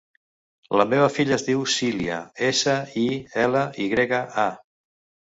La meva filla es diu Silya: essa, i, ela, i grega, a.